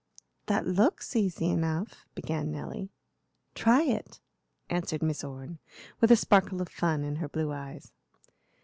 "That looks easy enough," began Nelly. "Try it," answered Miss Orne, with a sparkle of fun in her blue eyes.